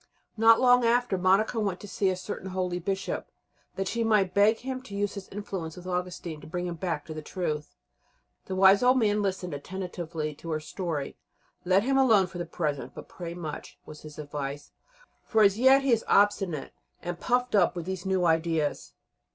Not long after Monica went to see a certain holy Bishop, that she might beg him to use his influence with Augustine to bring him back to the truth. The wise old man listened attentively to her story. "Let him alone for the present, but pray much," was his advice, "for as yet he is obstinate and puffed up with these new ideas.